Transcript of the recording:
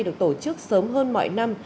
được tổ chức sớm hơn mọi năm